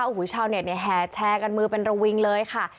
โอ้โหชาวเน็ตเนี่ยแห่แชร์กันมือเป็นระวิงเลยค่ะ